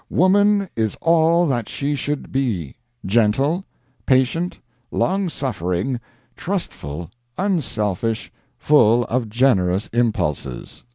] Woman is all that she should be gentle, patient, long suffering, trustful, unselfish, full of generous impulses.